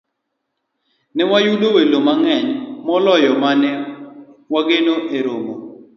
ne wayudo welo mang'eny moloyo ma ne wageno e romo